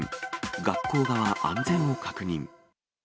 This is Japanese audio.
学校側、安全を確認。